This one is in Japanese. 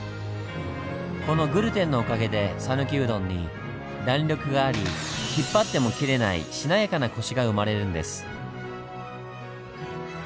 このグルテンのおかげでさぬきうどんに弾力があり引っ張っても切れないしなやかなコシが生まれるんです。